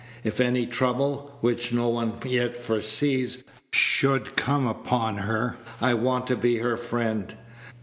If any trouble, which no one yet foresees, should come upon her, I want to be her friend.